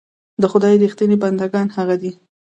د خدای رښتيني بندګان هغه دي.